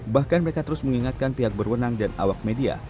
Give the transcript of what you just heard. bahkan mereka terus mengingatkan pihak berwenang dan awak media